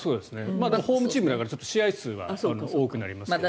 ホームチームだから試合数は多くなりますが。